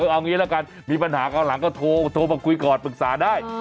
เอางี้ละกันมีปัญหาคราวหลังก็โทรมาคุยก่อนปรึกษาได้